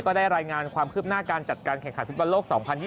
ได้รายงานความคืบหน้าการจัดการแข่งขันฟุตบอลโลก๒๐๒๐